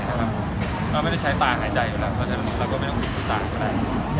เราไม่ได้ใช้ป่าใงใจตัวนั้นเราก็ไม่ต้องขึ้นป่าก็ได้